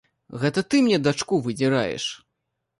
Гэта ты мне дачку выдзіраеш!